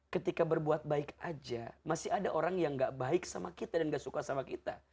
ketika berbuat baik aja masih ada orang yang gak baik sama kita dan gak suka sama kita